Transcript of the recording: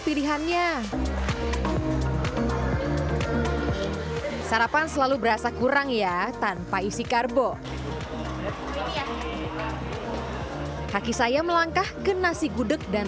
pilihannya sarapan selalu berasa kurang ya tanpa isi karbo kaki saya melangkah ke nasi gudeg dan